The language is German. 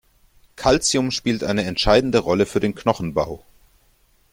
Calcium spielt eine entscheidende Rolle für den Knochenbau.